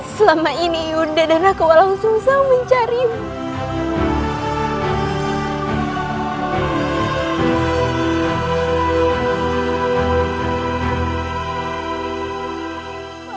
selama ini yunda dan aku langsung langsung mencarimu